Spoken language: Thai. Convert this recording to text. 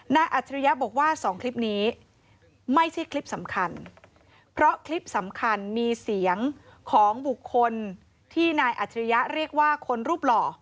อัจฉริยะบอกว่าสองคลิปนี้ไม่ใช่คลิปสำคัญเพราะคลิปสำคัญมีเสียงของบุคคลที่นายอัจฉริยะเรียกว่าคนรูปหล่อ